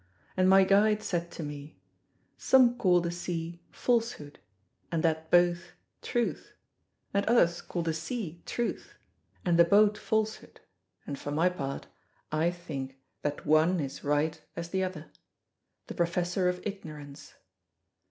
And my guide said to me, 'Some call the sea "Falsehood," and that boat "Truth," and others call the sea "Truth," and the boat "Falsehood;" and, for my part, I think that one is right as the other.' The Professor of Ignorance.